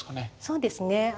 そうですね。